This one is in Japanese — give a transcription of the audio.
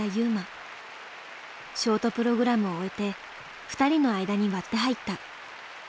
ショートプログラムを終えて２人の間に割って入った。